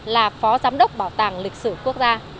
là phó giám đốc bảo tàng lịch sử quốc gia